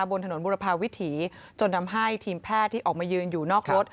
บนถนนบุรพาวิถีจนทำให้ทีมแพทย์ที่ออกมายืนอยู่นอกรถ